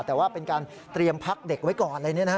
แต่ว่าเป็นการเตรียมพักเด็กไว้ก่อนอะไรเนี่ยนะฮะ